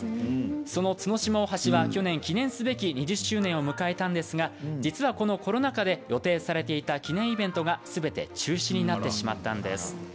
その角島大橋は去年記念すべき２０周年を迎えましたが実はこのコロナ禍で予定されていた記念イベントがすべて中止になってしまいました。